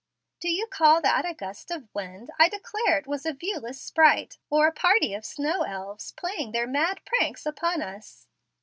"De you call that a gust of wind? I declare it was a viewless sprite, or a party of snow elves, playing their mad pranks upon us."